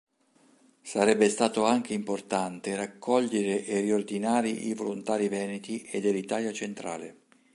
Sarebbe stato anche importante raccogliere e riordinare i volontari veneti e dell’Italia centrale.